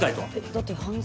だって犯罪。